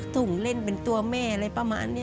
ส่งเล่นเป็นตัวแม่อะไรประมาณนี้